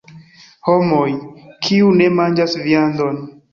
Homoj, kiuj ne manĝas viandon.